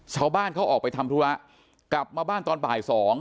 ชาวบ้านเขาออกไปทำธุระกลับมาบ้านตอนบ่าย๒